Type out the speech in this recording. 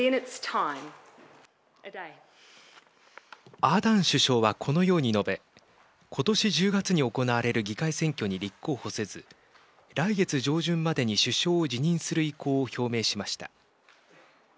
アーダーン首相はこのように述べ今年１０月に行われる議会選挙に立候補せず来月上旬までに首相を辞任する意向を表明しました。